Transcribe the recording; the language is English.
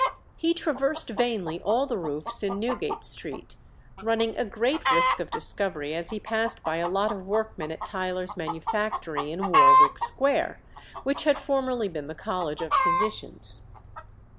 He traversed vainly all the roofs in Newgate Street, running a great risk of discovery as he passed by a lot of workmen at Tyler's manufactory in Warwick Square, which had formerly been the College of Physicians.